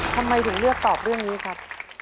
ทำไมถึงเลือกตอบเรื่องนี้ครับ